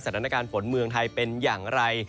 สถานการณ์ฝนเมืองไทยเป็นอย่างไร